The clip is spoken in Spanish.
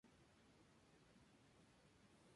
Algunas hojas estaban resumidas en desorden.